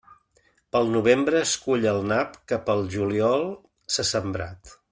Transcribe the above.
Pel novembre es cull el nap que pel juliol s'ha sembrat.